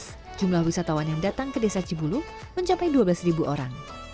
pada tahun dua ribu enam belas jumlah wisatawan yang datang ke desa cibulu mencapai dua belas orang